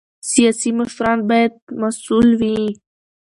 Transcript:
سیاسي مشران باید مسؤل وي